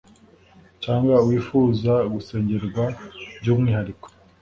cyangwa wifuza gusengerwa by’umwihariko